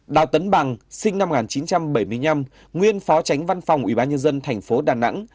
đào tấn bằng sinh năm một nghìn chín trăm bảy mươi năm nguyên phó chánh văn phòng ủy ban nhân dân tp đà nẵng